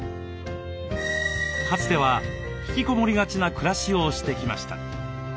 かつては引きこもりがちな暮らしをしてきました。